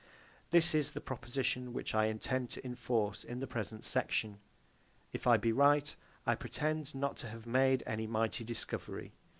This is the proposition which I intended to enforce in the present section. If I be right, I pretend not to have made any mighty discovery.